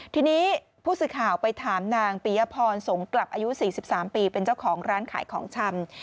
ทีนี้ผู้สื่อข่าวไปถามนางปียพรสงกลับอายุ๔๓ปีเป็นเจ้าของร้านขายของชำ